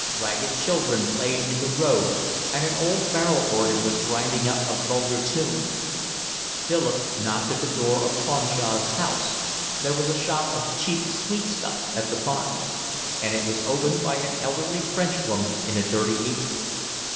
Ragged children played in the road, and an old barrel organ was grinding out a vulgar tune. Philip knocked at the door of Cronshaw's house (there was a shop of cheap sweetstuffs at the bottom), and it was opened by an elderly Frenchwoman in a dirty apron.